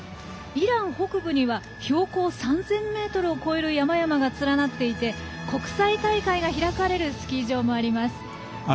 イラン北部には標高３０００ｍを超える山々が連なっていて国際大会が開かれるスキー場もあります。